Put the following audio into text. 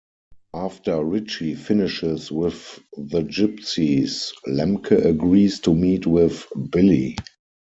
After Richie finishes with the Gypsies, Lemke agrees to meet with Billy.